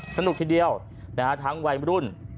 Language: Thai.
สนุกทีเดียวทั้งวัยรุ่น